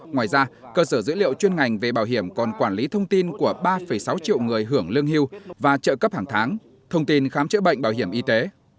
ngoài ra cơ sở dữ liệu chuyên ngành về bảo hiểm còn quản lý thông tin của ba sáu triệu người hưởng lương hưu và trợ cấp hàng tháng thông tin khám chữa bệnh bảo hiểm y tế